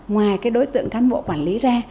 ngoài đối tượng cán bộ quản lý ra